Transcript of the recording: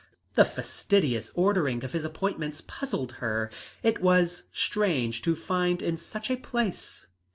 The fastidious ordering of his appointments puzzled her; it was strange to find in such a place.